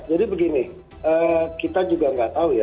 begini kita juga nggak tahu ya